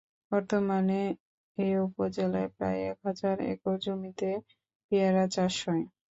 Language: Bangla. বর্তমানে এ উপজেলায় প্রায় এক হাজার একর জমিতে পেয়ারার চাষ হয়।